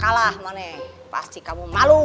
kalah mana pasti kamu malu